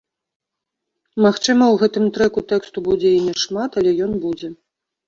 Магчыма, у гэтым трэку тэксту будзе і няшмат, але ён будзе.